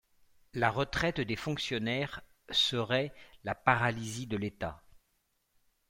La retraite des fonctionnaires serait la paralysie de l’état.